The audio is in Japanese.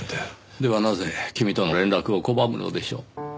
ではなぜ君との連絡を拒むのでしょう？